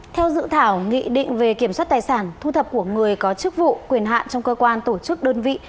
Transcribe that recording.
theo dự thảo nghị định về kiểm soát tài sản thu thập của người có chức vụ quyền hạn trong cơ quan tổ chức đơn vị